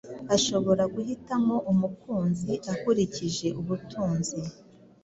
ashobora guhitamo umukunzi akurikije ubutunzi,